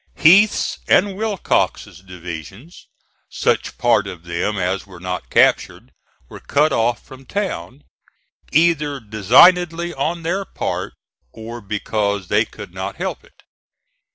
Heth's and Wilcox's divisions, such part of them as were not captured, were cut off from town, either designedly on their part or because they could not help it.